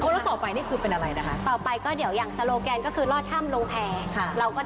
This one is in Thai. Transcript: โรดาตนี้ต้นอะไรครับมาเลยเลยครับ